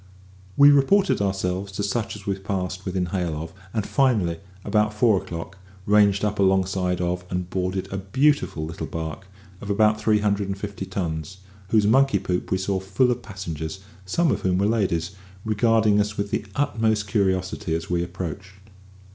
We reported ourselves to such as we passed within hail of, and finally, about four o'clock, ranged up alongside of and boarded a beautiful little barque of about three hundred and fifty tons, whose monkey poop we saw full of passengers (some of whom were ladies), regarding us with the utmost curiosity as we approached.